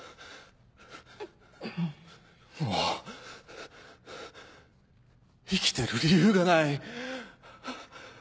もう生きてる理由がない。